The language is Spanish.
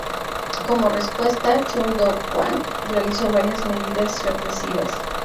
Como respuesta, Chun Doo-hwan realizó varias medidas represivas.